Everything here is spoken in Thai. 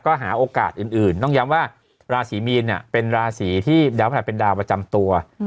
ก็หาโอกาสอื่นต้องย้ำว่าราศีมีนเป็นราศีที่ดาวพระหัสเป็นดาวประจำตัว